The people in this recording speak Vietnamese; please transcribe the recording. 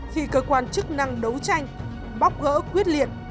khi cơ quan chức năng đấu tranh bóc gỡ quyết liệt